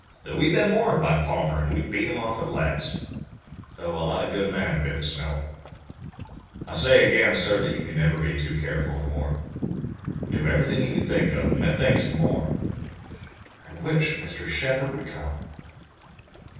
But we'd been warned by Palmer an' we beat 'em off at last, though a lot of good men bit the snow. I say again, sir, that you can't ever be too careful in war. Do everything you can think of, and then think of some more. I wish Mr. Shepard would come!"